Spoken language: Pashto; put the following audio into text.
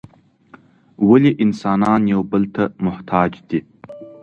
ولي انسانان یو بل ته محتاج دي؟